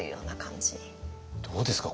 どうですか？